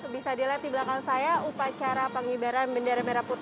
bisa dilihat di belakang saya upacara pengibaran bendera merah putih